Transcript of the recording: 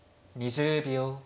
２０秒。